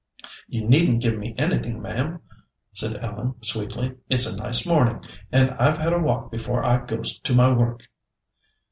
"You needn't give me anything, ma'am," said Ellen sweetly. "It's a nice morning, and I've had a walk before I goes to my work."